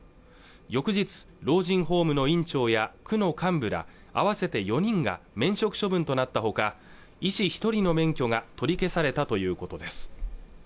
翌日老人ホームの院長や区の幹部ら合わせて４人が免職処分となったほか医師一人の免許が取り消されたということです